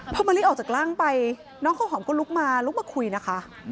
พอมะลิออกจากร่างไปน้องข้าวหอมก็ลุกมาลุกมาคุยนะคะ